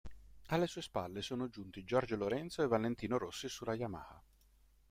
Alle sue spalle sono giunti Jorge Lorenzo e Valentino Rossi su Yamaha.